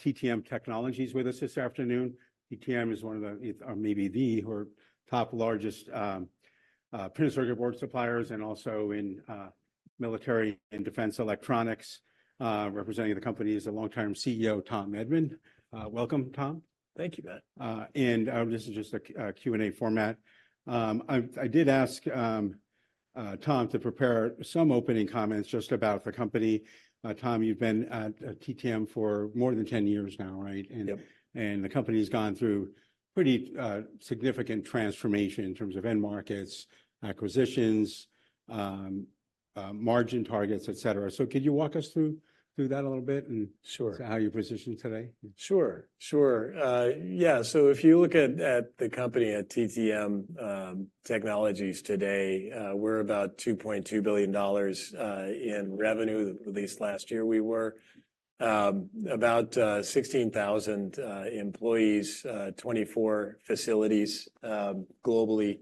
TTM Technologies with us this afternoon. TTM is one of the, or maybe the, or top largest, printed circuit board suppliers and also in, military and defense electronics. Representing the company is the long-term CEO, Tom Edman. Welcome, Tom. Thank you, Matt. This is just a Q&A format. I did ask Tom to prepare some opening comments just about the company. Tom, you've been at TTM for more than 10 years now, right? Yep. The company's gone through pretty significant transformation in terms of end markets, acquisitions, margin targets, et cetera. So could you walk us through that a little bit, and- Sure. How you're positioned today? Sure, sure. Yeah, so if you look at the company at TTM Technologies today, we're about $2.2 billion in revenue, at least last year we were. About 16,000 employees, 24 facilities globally.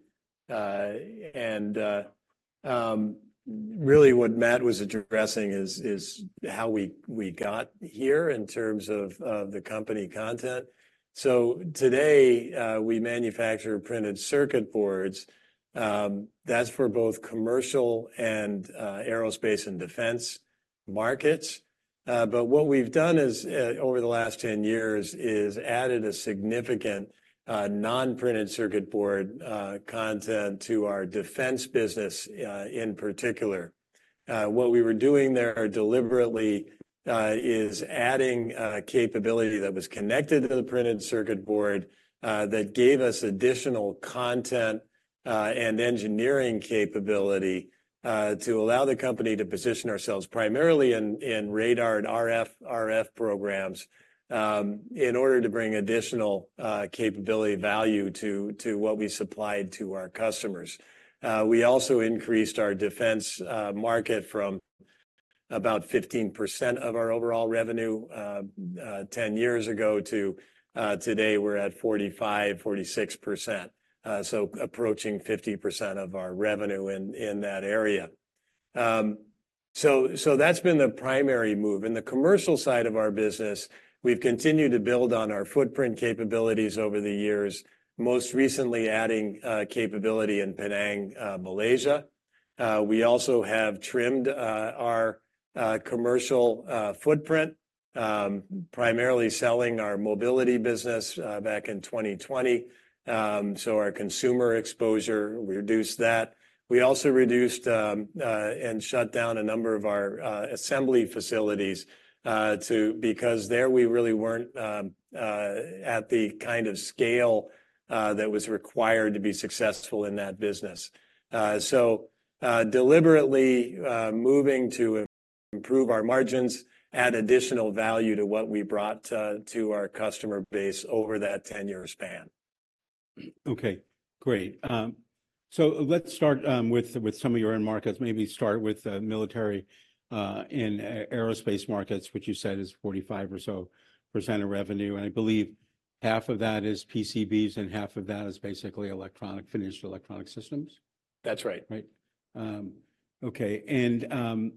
Really what Matt was addressing is how we got here in terms of the company content. So today, we manufacture printed circuit boards. That's for both commercial and aerospace and defense markets. But what we've done is, over the last 10 years, added a significant non-printed circuit board content to our defense business, in particular. What we were doing there deliberately is adding capability that was connected to the printed circuit board that gave us additional content and engineering capability to allow the company to position ourselves primarily in radar and RF programs in order to bring additional capability value to what we supplied to our customers. We also increased our defense market from about 15% of our overall revenue 10 years ago to today we're at 45%-46%. So approaching 50% of our revenue in that area. So that's been the primary move. In the commercial side of our business, we've continued to build on our footprint capabilities over the years, most recently adding capability in Penang, Malaysia. We also have trimmed our commercial footprint, primarily selling our mobility business back in 2020. So our consumer exposure, we reduced that. We also reduced and shut down a number of our assembly facilities because there we really weren't at the kind of scale that was required to be successful in that business. So, deliberately moving to improve our margins, add additional value to what we brought to our customer base over that ten-year span. Okay, great. So let's start with some of your end markets. Maybe start with military and aerospace markets, which you said is 45% or so of revenue, and I believe half of that is PCBs, and half of that is basically electronic, finished electronic systems? That's right. Right. Okay, and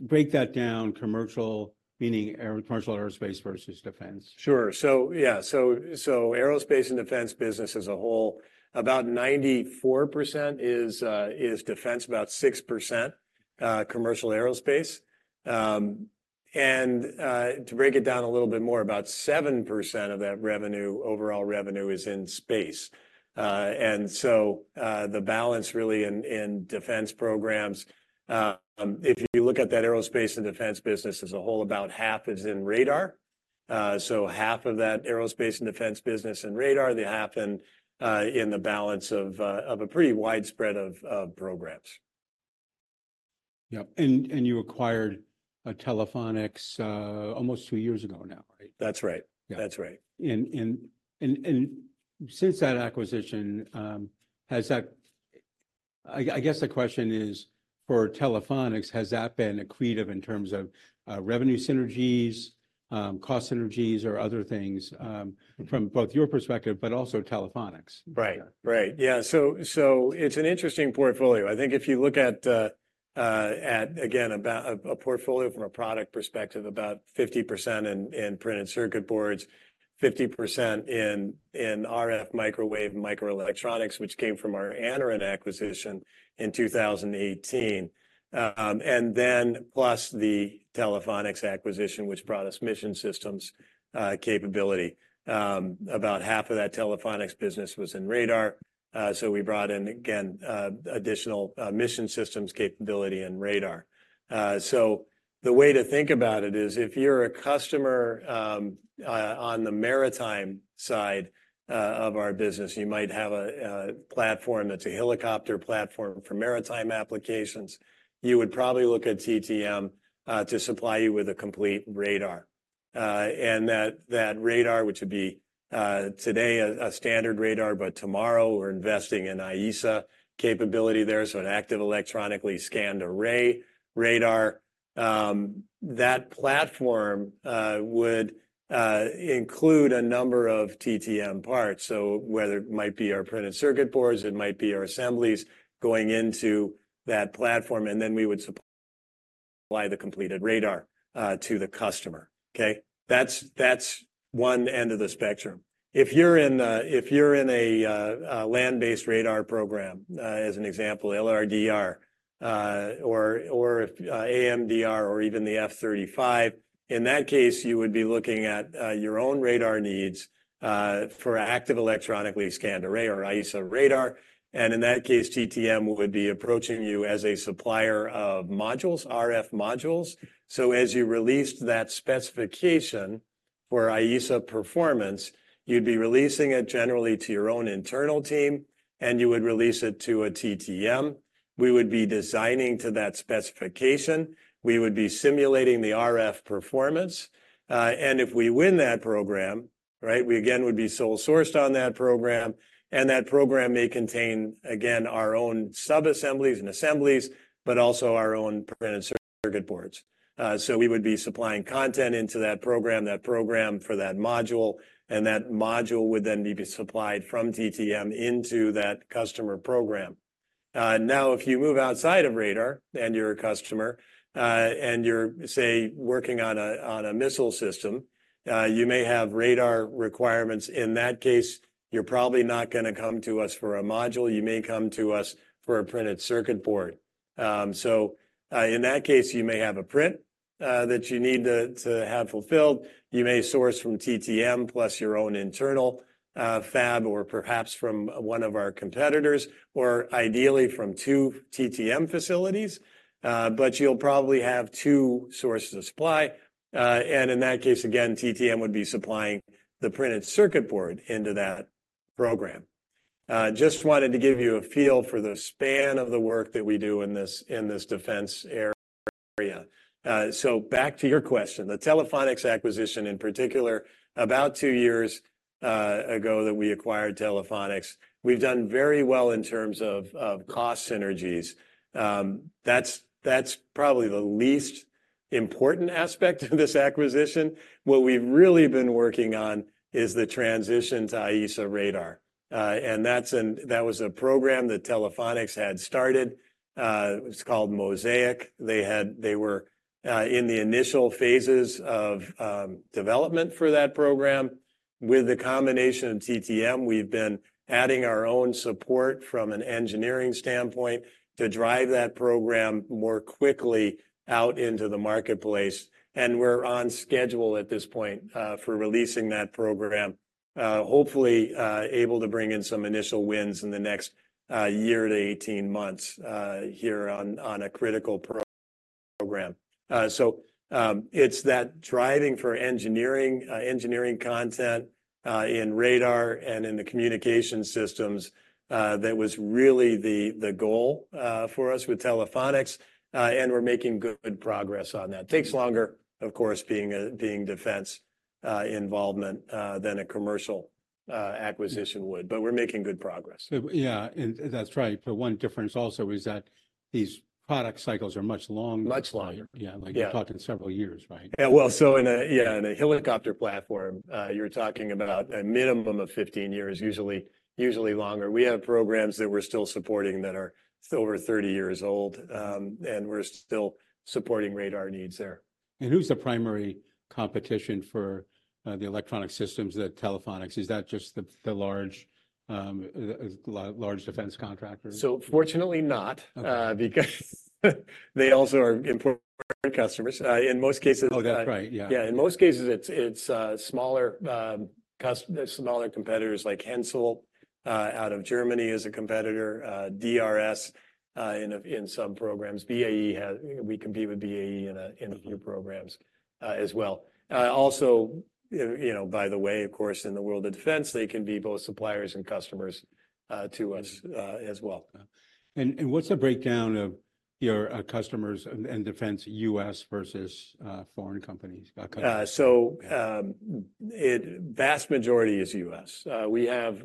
break that down, commercial, meaning a commercial aerospace versus defense. Sure. So yeah, aerospace and defense business as a whole, about 94% is defense, about 6% commercial aerospace. And to break it down a little bit more, about 7% of that revenue, overall revenue, is in space. And so the balance really in defense programs, if you look at that aerospace and defense business as a whole, about half is in radar. So half of that aerospace and defense business in radar, the half in the balance of a pretty widespread of programs. Yep. And you acquired Telephonics almost two years ago now, right? That's right. Yeah. That's right. And since that acquisition, has that... I guess the question is, for Telephonics, has that been accretive in terms of revenue synergies, cost synergies, or other things, from both your perspective, but also Telephonics? Right. Right, yeah. So it's an interesting portfolio. I think if you look at again, about a portfolio from a product perspective, about 50% in printed circuit boards, 50% in RF, microwave, microelectronics, which came from our Anaren acquisition in 2018. And then plus the Telephonics acquisition, which brought us mission systems capability. About half of that Telephonics business was in radar, so we brought in again additional mission systems capability and radar. So the way to think about it is, if you're a customer on the maritime side of our business, you might have a platform that's a helicopter platform for maritime applications. You would probably look at TTM to supply you with a complete radar. And that radar, which would be today a standard radar, but tomorrow we're investing in AESA capability there, so an active electronically scanned array radar. That platform would include a number of TTM parts. So whether it might be our printed circuit boards, it might be our assemblies going into that platform, and then we would supply the completed radar to the customer. Okay? That's one end of the spectrum. If you're in a land-based radar program, as an example, LRDR, or AMDR or even the F-35, in that case, you would be looking at your own radar needs for active electronically scanned array, or AESA radar. And in that case, TTM would be approaching you as a supplier of modules, RF modules. So as you released that specification for AESA performance, you'd be releasing it generally to your own internal team, and you would release it to a TTM. We would be designing to that specification. We would be simulating the RF performance, and if we win that program, right, we again would be sole sourced on that program, and that program may contain, again, our own subassemblies and assemblies, but also our own printed circuit boards. So we would be supplying content into that program, that program for that module, and that module would then be supplied from TTM into that customer program. Now, if you move outside of radar and you're a customer, and you're, say, working on a missile system, you may have radar requirements. In that case, you're probably not gonna come to us for a module. You may come to us for a printed circuit board. So, in that case, you may have a print that you need to have fulfilled. You may source from TTM, plus your own internal fab, or perhaps from one of our competitors, or ideally from two TTM facilities. But you'll probably have two sources of supply. And in that case, again, TTM would be supplying the printed circuit board into that program. Just wanted to give you a feel for the span of the work that we do in this defense area. So back to your question, the Telephonics acquisition, in particular, about two years ago, that we acquired Telephonics, we've done very well in terms of cost synergies. That's probably the least important aspect of this acquisition. What we've really been working on is the transition to AESA radar. And that's that was a program that Telephonics had started, it was called MOSAIC. They were in the initial phases of development for that program. With the combination of TTM, we've been adding our own support from an engineering standpoint to drive that program more quickly out into the marketplace, and we're on schedule at this point for releasing that program. Hopefully, able to bring in some initial wins in the next year to 18 months here on a critical program. So, it's that driving for engineering, engineering content in radar and in the communication systems that was really the goal for us with Telephonics, and we're making good progress on that. Takes longer, of course, being defense involvement than a commercial acquisition would. But we're making good progress. Yeah, and that's right. But one difference also is that these product cycles are much longer. Much longer. Yeah. Yeah. Like, you're talking several years, right? Yeah. Well, so in a helicopter platform, you're talking about a minimum of 15 years, usually, usually longer. We have programs that we're still supporting that are over 30 years old, and we're still supporting radar needs there. Who's the primary competition for the electronic systems at Telephonics? Is that just the large defense contractors? Fortunately not- Okay.... because, they also are important customers, in most cases- Oh, that's right, yeah. Yeah. In most cases, it's smaller competitors, like Hensoldt out of Germany, is a competitor, DRS in some programs. BAE—we compete with BAE in a few programs, as well. Also, you know, by the way, of course, in the world of defense, they can be both suppliers and customers to us, as well. What's the breakdown of your customers and defense, U.S. versus foreign companies, countries? So, vast majority is U.S.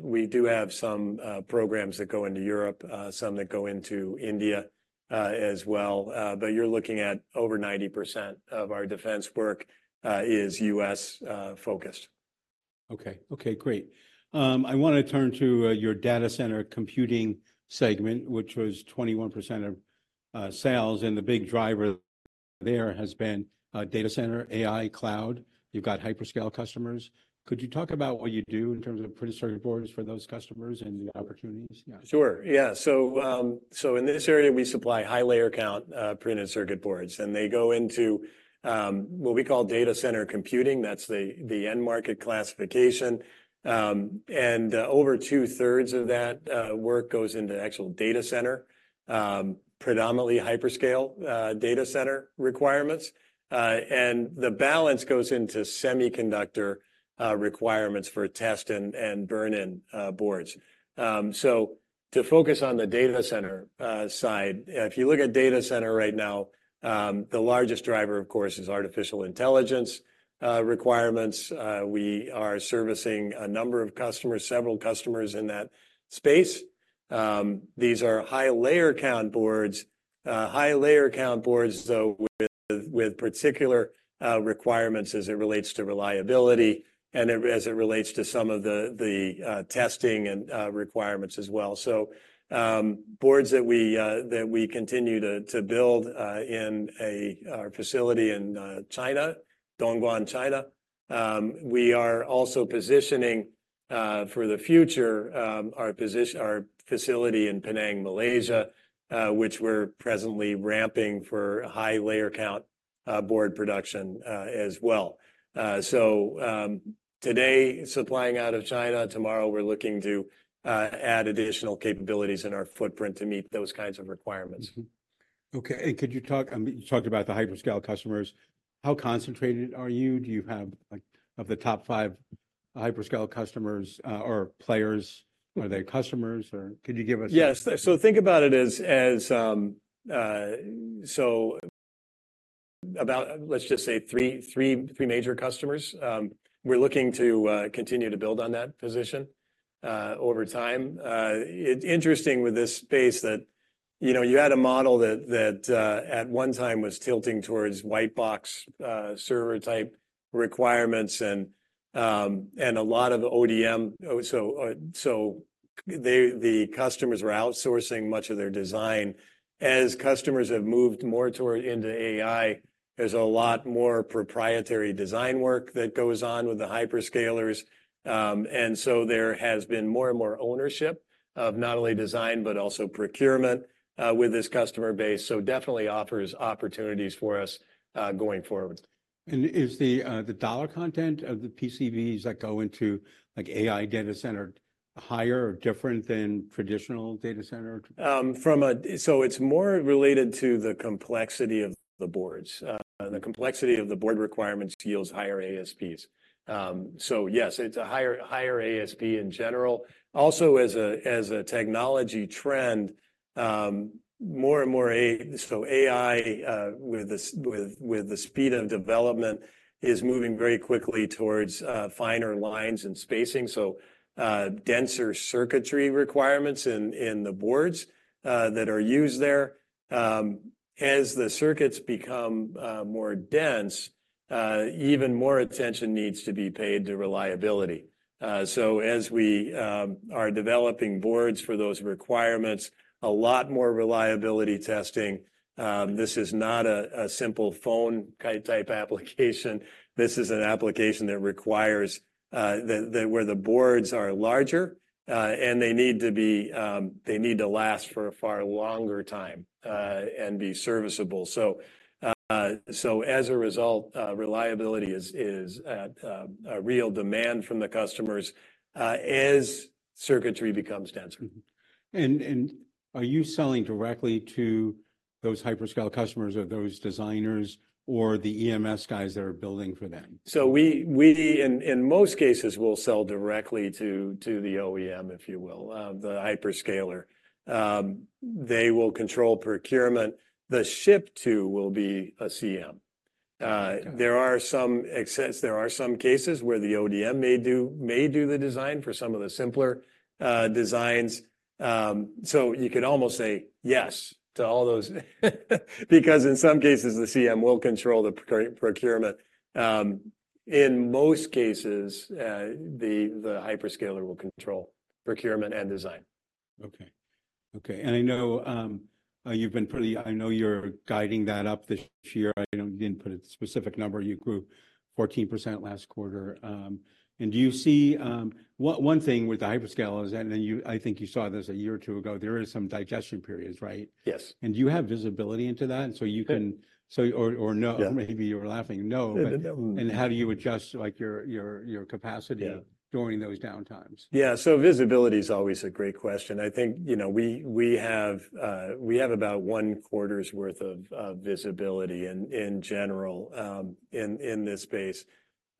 We do have some programs that go into Europe, some that go into India, as well. But you're looking at over 90% of our defense work is U.S. focused. Okay. Okay, great. I want to turn to your data center computing segment, which was 21% of sales, and the big driver there has been data center, AI, cloud. You've got hyperscale customers. Could you talk about what you do in terms of printed circuit boards for those customers and the opportunities? Yeah. Sure. Yeah, so in this area, we supply high layer count printed circuit boards, and they go into what we call data center computing. That's the end market classification. And over two-thirds of that work goes into actual data center, predominantly hyperscale data center requirements. And the balance goes into semiconductor requirements for test and burn-in boards. So to focus on the data center side, if you look at data center right now, the largest driver, of course, is artificial intelligence requirements. We are servicing a number of customers, several customers in that space. These are high layer count boards, high layer count boards, though, with, with particular requirements as it relates to reliability and it, as it relates to some of the, the, testing and, requirements as well. So, boards that we, that we continue to, to build, in a, facility in, China, Dongguan, China. We are also positioning, for the future, our posit—our facility in Penang, Malaysia, which we're presently ramping for high layer count, board production, as well. So, today, supplying out of China, tomorrow, we're looking to, add additional capabilities in our footprint to meet those kinds of requirements. Mm-hmm. Okay, and could you talk, you talked about the hyperscale customers. How concentrated are you? Do you have, like, of the top five hyperscale customers, or players, are they customers, or could you give us- Yes. So think about it as about, let's just say 3 major customers. We're looking to continue to build on that position over time. It's interesting with this space that, you know, you had a model that at one time was tilting towards white box server type requirements and a lot of ODM. Oh, so they, the customers were outsourcing much of their design. As customers have moved more toward into AI, there's a lot more proprietary design work that goes on with the hyperscalers. And so there has been more and more ownership of not only design, but also procurement with this customer base. So definitely offers opportunities for us going forward. Is the dollar content of the PCBs that go into, like, AI data center higher or different than traditional data center? So it's more related to the complexity of the boards. The complexity of the board requirements yields higher ASPs. So yes, it's a higher, higher ASP in general. Also, as a technology trend, more and more, so AI, with the speed of development, is moving very quickly towards finer lines and spacing. So denser circuitry requirements in the boards that are used there. As the circuits become more dense, even more attention needs to be paid to reliability. So as we are developing boards for those requirements, a lot more reliability testing. This is not a simple phone type application. This is an application that requires where the boards are larger, and they need to be they need to last for a far longer time, and be serviceable. So as a result, reliability is at a real demand from the customers, as circuitry becomes denser. Mm-hmm. Are you selling directly to those hyperscale customers or those designers or the EMS guys that are building for them? So we in most cases will sell directly to the OEM, if you will, the hyperscaler. They will control procurement. The ship to will be a CM. Okay. There are some cases where the ODM may do the design for some of the simpler designs. So you could almost say yes to all those. Because in some cases, the CM will control the procurement. In most cases, the hyperscaler will control procurement and design. Okay. Okay, and I know you're guiding that up this year. You didn't put a specific number. You grew 14% last quarter. And do you see, one thing with the hyperscale is, and then you, I think you saw this a year or two ago, there is some digestion periods, right? Yes. Do you have visibility into that so you can- Good. So, or no? Yeah. Maybe you were laughing? No. But how do you adjust, like, your capacity- Yeah. ... during those downtimes? Yeah, so visibility is always a great question. I think, you know, we have about one quarter's worth of visibility in general, in this space.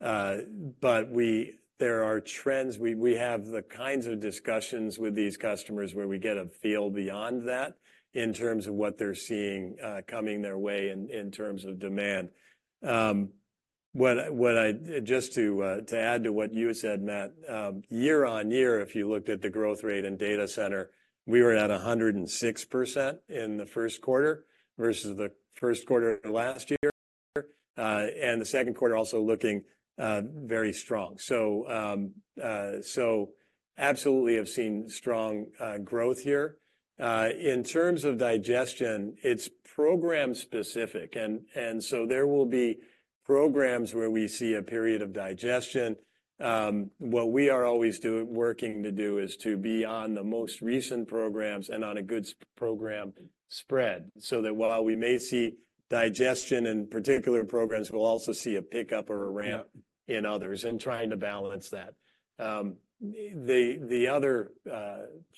But there are trends. We have the kinds of discussions with these customers where we get a feel beyond that in terms of what they're seeing coming their way in terms of demand. Just to add to what you said, Matt, year-on-year, if you looked at the growth rate in data center, we were at 106% in the first quarter versus the first quarter of last year, and the second quarter also looking very strong. So, absolutely have seen strong growth here. In terms of digestion, it's program specific, and so there will be programs where we see a period of digestion. What we are always working to do is to be on the most recent programs and on a good program spread, so that while we may see digestion in particular programs, we'll also see a pickup or a ramp- Yeah.... in others and trying to balance that. The other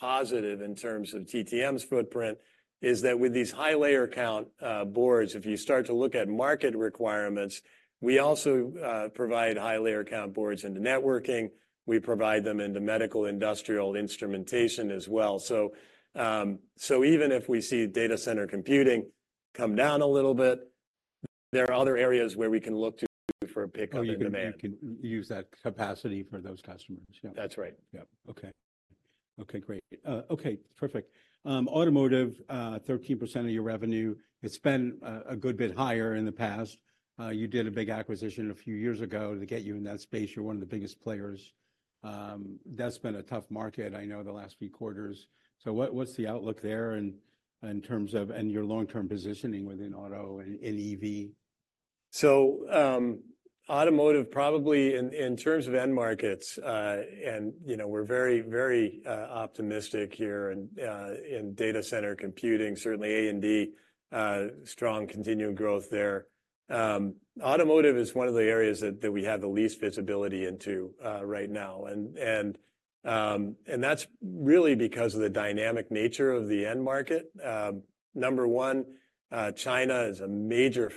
positive in terms of TTM's footprint is that with these high layer count boards, if you start to look at market requirements, we also provide high layer count boards into networking. We provide them into medical, industrial, instrumentation as well. So even if we see data center computing come down a little bit, there are other areas where we can look to for a pickup in demand. Oh, you can, you can use that capacity for those customers? Yeah. That's right. Yeah. Okay. Okay, great. Okay, perfect. Automotive, 13% of your revenue, it's been a good bit higher in the past. You did a big acquisition a few years ago to get you in that space. You're one of the biggest players. That's been a tough market, I know, the last few quarters. So, what's the outlook there in terms of and your long-term positioning within auto and in EV? So, automotive probably in terms of end markets, and, you know, we're very, very optimistic here and in data center computing, certainly A&D, strong continuing growth there. Automotive is one of the areas that we have the least visibility into right now. And that's really because of the dynamic nature of the end market. Number one, China is a major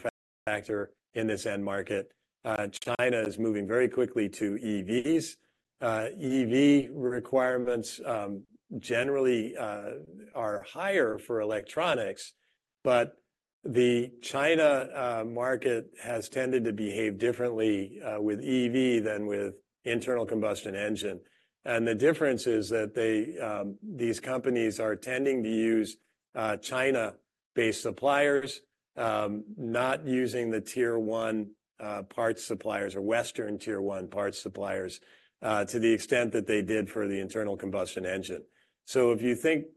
factor in this end market. China is moving very quickly to EVs. EV requirements generally are higher for electronics, but the China market has tended to behave differently with EV than with internal combustion engine. The difference is that they, these companies are tending to use China-based suppliers, not using the Tier 1 parts suppliers or Western Tier 1 parts suppliers, to the extent that they did for the internal combustion engine. So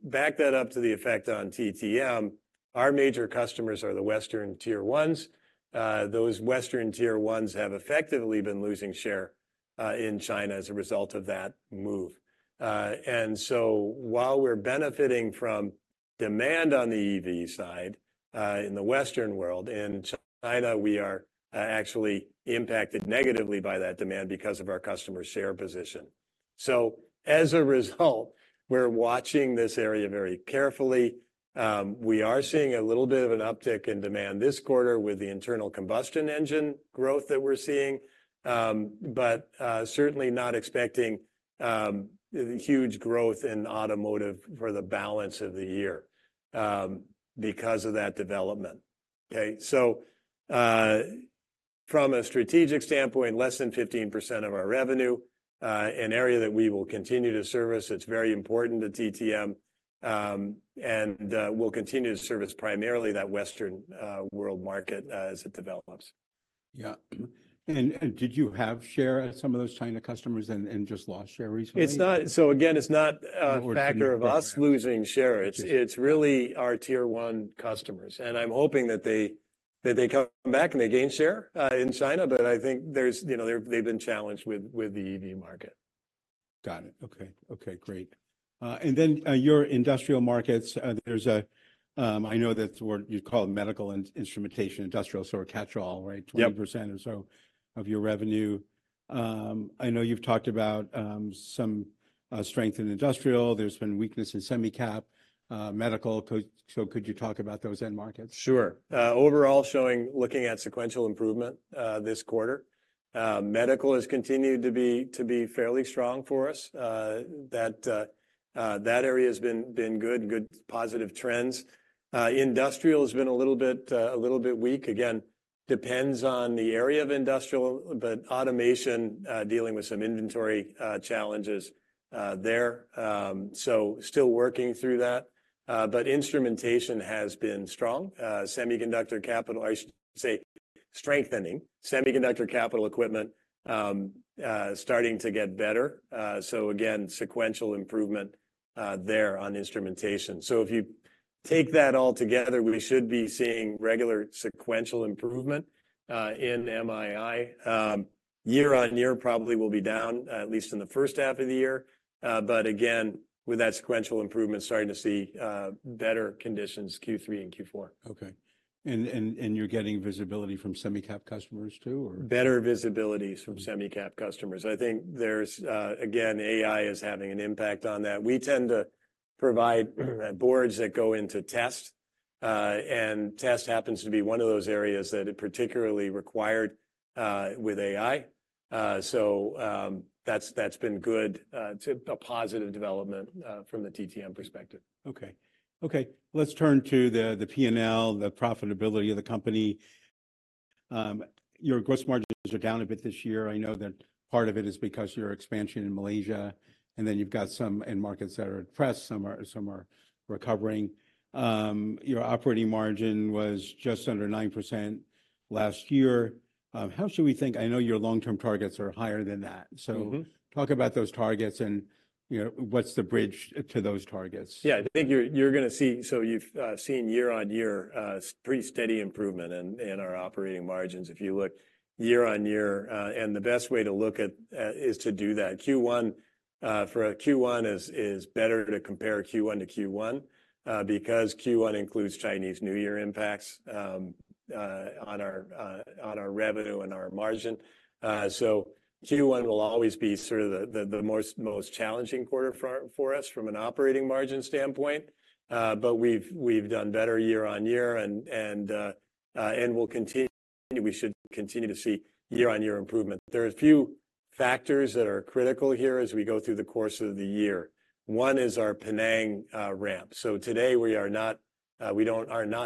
back that up to the effect on TTM, our major customers are the Western Tier 1s. Those Western Tier 1s have effectively been losing share in China as a result of that move. And so while we're benefiting from demand on the EV side in the Western world, in China we are actually impacted negatively by that demand because of our customer share position. So as a result, we're watching this area very carefully. We are seeing a little bit of an uptick in demand this quarter with the internal combustion engine growth that we're seeing, but certainly not expecting huge growth in automotive for the balance of the year because of that development. Okay, so from a strategic standpoint, less than 15% of our revenue, an area that we will continue to service, it's very important to TTM, and we'll continue to service primarily that Western world market as it develops. Yeah. And did you have share at some of those China customers and just lost share recently? So again, it's not a- Or- Factor of U.S. losing share. It's really our Tier 1 customers, and I'm hoping that they come back, and they gain share in China. But I think there's, you know, they've been challenged with the EV market. Got it. Okay. Okay, great. And then, your industrial markets, there's a, I know that the word, you'd call it medical, industrial, instrumentation, so a catch-all, right? Yep. 20% or so of your revenue. I know you've talked about some strength in industrial. There's been weakness in semi cap, medical. So could you talk about those end markets? Sure. Overall showing, looking at sequential improvement this quarter. Medical has continued to be fairly strong for us. That area has been good, positive trends. Industrial has been a little bit weak. Again, depends on the area of industrial, but automation dealing with some inventory challenges there. So still working through that. But instrumentation has been strong. Semiconductor capital, I should say, strengthening. Semiconductor capital equipment starting to get better. So again, sequential improvement there on instrumentation. So if you take that all together, we should be seeing regular sequential improvement in MII. Year-on-year, probably will be down at least in the first half of the year. But again, with that sequential improvement, starting to see better conditions Q3 and Q4. Okay. And you're getting visibility from semi cap customers too, or? Better visibilities from semi cap customers. I think there's, again, AI is having an impact on that. We tend to provide boards that go into test, and test happens to be one of those areas that it particularly required, with AI. So, that's, that's been good, to a positive development, from the TTM perspective. Okay. Okay, let's turn to the P&L, the profitability of the company. Your gross margins are down a bit this year. I know that part of it is because your expansion in Malaysia, and then you've got some end markets that are depressed, some recovering. Your operating margin was just under 9% last year. How should we think? I know your long-term targets are higher than that. Mm-hmm. Talk about those targets and, you know, what's the bridge to those targets? Yeah. I think you're gonna see. So you've seen year-on-year pretty steady improvement in our operating margins. If you look year-on-year, and the best way to look at is to do that. Q1 for a Q1 is better to compare Q1 to Q1, because Q1 includes Chinese New Year impacts on our revenue and our margin. So Q1 will always be sort of the most challenging quarter for us from an operating margin standpoint. But we've done better year-on-year, and we'll continue. We should continue to see year-on-year improvement. There are a few factors that are critical here as we go through the course of the year. One is our Penang ramp. So today, we are not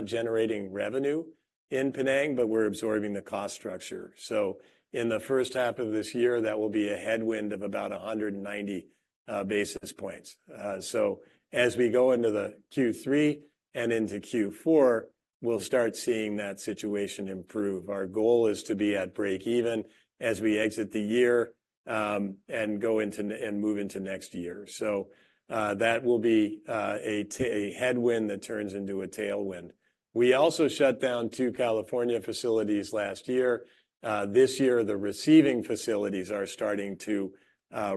generating revenue in Penang, but we're absorbing the cost structure. So in the first half of this year, that will be a headwind of about 190 basis points. So as we go into the Q3 and into Q4, we'll start seeing that situation improve. Our goal is to be at break even as we exit the year and go into and move into next year. So that will be a headwind that turns into a tailwind. We also shut down two California facilities last year. This year, the receiving facilities are starting to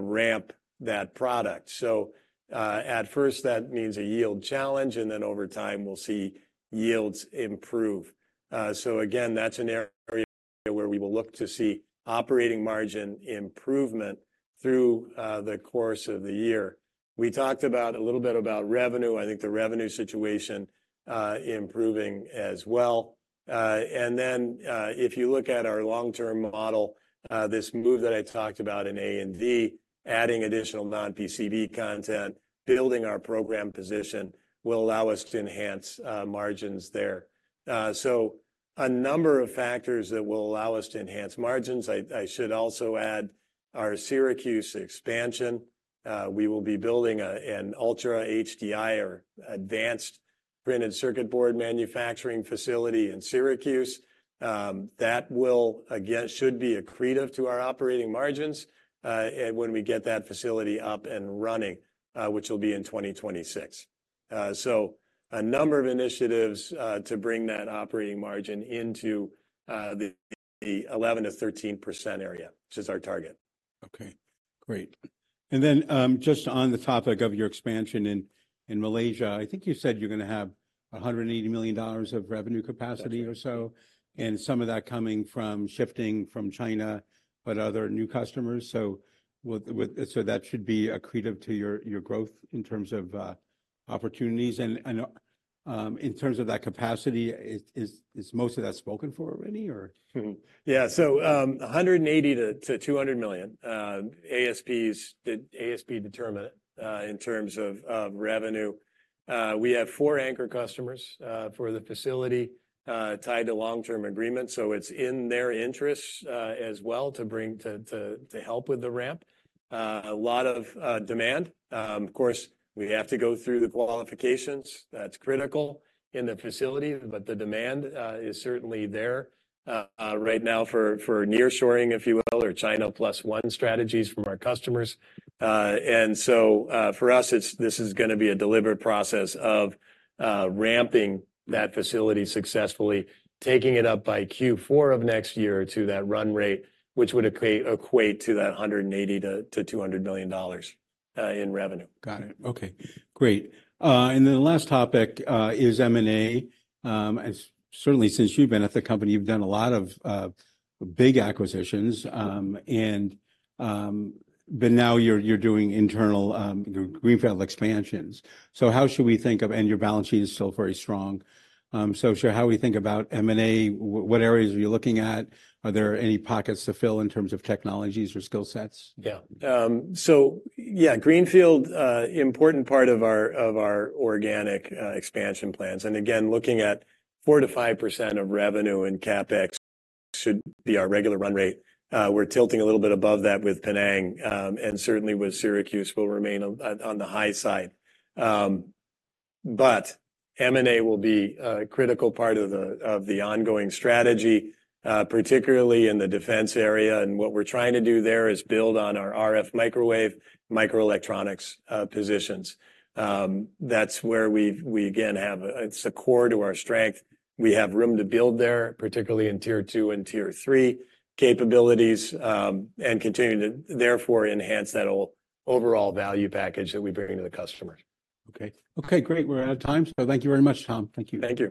ramp that product. So at first, that means a yield challenge, and then over time, we'll see yields improve. So again, that's an area where we will look to see operating margin improvement through the course of the year. We talked about a little bit about revenue. I think the revenue situation improving as well. And then, if you look at our long-term model, this move that I talked about in A&D, adding additional non-PCB content, building our program position, will allow us to enhance margins there. So a number of factors that will allow us to enhance margins. I, I should also add our Syracuse expansion. We will be building an Ultra HDI or advanced printed circuit board manufacturing facility in Syracuse. That will, again, should be accretive to our operating margins when we get that facility up and running, which will be in 2026. So a number of initiatives to bring that operating margin into the 11%-13% area, which is our target. Okay, great. And then, just on the topic of your expansion in Malaysia, I think you said you're gonna have $180 million of revenue capacity- That's right. -or so, and some of that coming from shifting from China, but other new customers. So that should be accretive to your growth in terms of opportunities. And, in terms of that capacity, is most of that spoken for already or? Yeah. So, 180 to 200 million ASPs, the ASP determinant in terms of revenue. We have four anchor customers for the facility tied to long-term agreements, so it's in their interest as well to help with the ramp. A lot of demand. Of course, we have to go through the qualifications. That's critical in the facility, but the demand is certainly there right now for nearshoring, if you will, or China Plus One strategies from our customers. And so, for us, it's this is gonna be a deliberate process of ramping that facility successfully, taking it up by Q4 of next year to that run rate, which would equate to that $180 million-$200 million in revenue. Got it. Okay, great. And then the last topic is M&A. As certainly since you've been at the company, you've done a lot of big acquisitions, and but now you're doing internal greenfield expansions. So how should we think of and your balance sheet is still very strong. So, sure, how we think about M&A, what areas are you looking at? Are there any pockets to fill in terms of technologies or skill sets? Yeah. So yeah, greenfield, important part of our, of our organic, expansion plans. And again, looking at 4%-5% of revenue and CapEx should be our regular run rate. We're tilting a little bit above that with Penang, and certainly with Syracuse, will remain on, on the high side. But M&A will be a critical part of the, of the ongoing strategy, particularly in the defense area, and what we're trying to do there is build on our RF microwave, microelectronics, positions. That's where we've, we again, have a... It's a core to our strength. We have room to build there, particularly in Tier 2 and Tier 3 capabilities, and continue to therefore enhance that overall value package that we bring to the customer. Okay. Okay, great. We're out of time. Thank you very much, Tom. Thank you. Thank you.